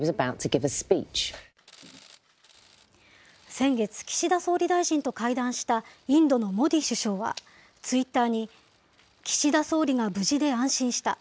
先月、岸田総理大臣と会談したインドのモディ首相は、ツイッターに、岸田総理が無事で安心した。